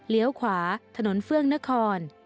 เลี้ยวขวาถนนเฟื้องนคร